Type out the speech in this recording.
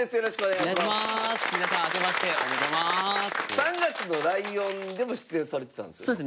「３月のライオン」でも出演されてたんですよね？